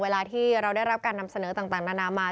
เวลาที่เราได้รับการนำเสนอต่างนานามา